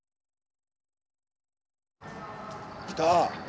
来た！